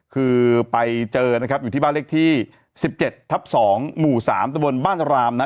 คือไปเจอนะครับอยู่ที่บ้านเลขที่๑๗ทับ๒หมู่๓ตะบนบ้านรามนะ